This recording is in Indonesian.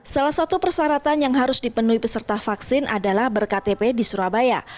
salah satu persyaratan yang harus dipenuhi peserta vaksin adalah berktp di surabaya